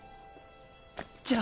じゃあ！